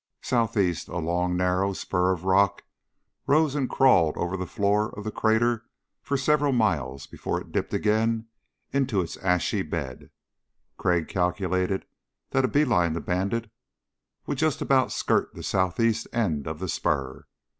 Southeast a long narrow spur of rock rose and crawled over the floor of the crater for several miles before it dipped again into its ashy bed. Crag calculated that a beeline to Bandit would just about skirt the southeast end of the spur.